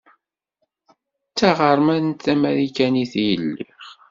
D taɣeṛmant tamarikanit i lliɣ.